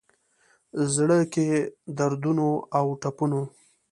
زړه کي دردونو اوټپونو،